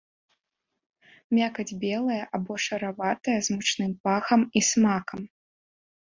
Мякаць белая або шараватая з мучным пахам і смакам.